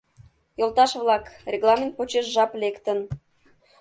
— Йолташ-влак, регламент почеш жап лектын.